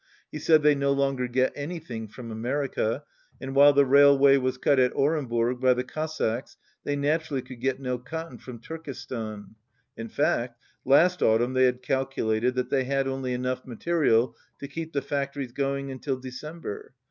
He said they no longer get anything from America, and while the railway was cut at Orenburg by the Cossacks, they naturally could get no cotton from Turkestan. In fact, last autumn they had cal culated that they had only enough material to keep the factories going until December.